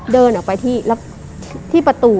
เดินออกไปที่ประตู